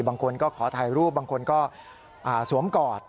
บางคนก็ขอถ่ายรูปบางคนก็สวมกอด